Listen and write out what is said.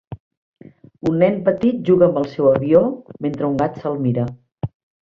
Un nen petit juga amb el seu avió mentre un gat se'l mira